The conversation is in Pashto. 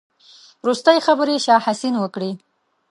وروستۍ خبرې شاه حسين وکړې.